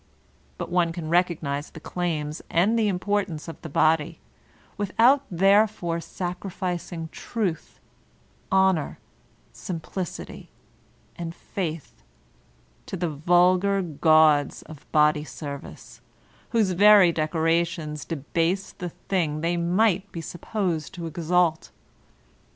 But one can recognize the claims and the importance of the body without therefore sacrificing truth, honor, simplicity, and faith, to the vul gar gauds of body service, whose very decorations debase the thing they might be supposed to exalt.